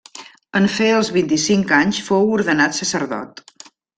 En fer els vint-i-cinc anys fou ordenat sacerdot.